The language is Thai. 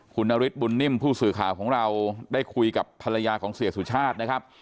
คุณนฤทธบุญนิ่มผู้สื่อข่าวของเราได้คุยกับภรรยาของเสียสุชาตินะครับ